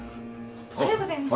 おはようございます。